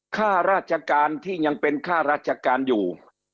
ค่าราชการที่ยังเป็นค่าราชการอยู่